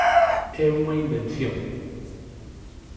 É unha invención.